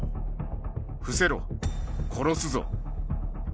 伏せろ、殺すぞ。